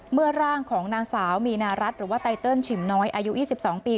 ร่างของนางสาวมีนารัฐหรือว่าไตเติลฉิมน้อยอายุ๒๒ปี